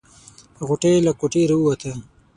غوټۍ له کوټې راووته.